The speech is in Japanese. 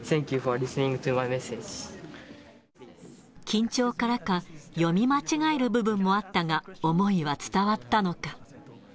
緊張からか、読み間違える部分もあったが、思いは伝わったのか。